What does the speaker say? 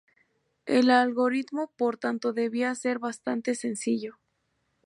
El algoritmo por tanto debía ser bastante sencillo.